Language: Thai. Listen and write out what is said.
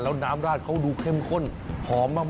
แล้วน้ำราดเขาดูเข้มข้นหอมมาก